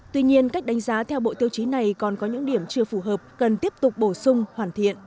tuy nhiên cách đánh giá theo bộ tiêu chí này còn có những điểm chưa phù hợp cần tiếp tục bổ sung hoàn thiện